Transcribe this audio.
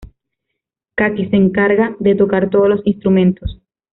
Kaki se encarga de tocar todos los instrumentos.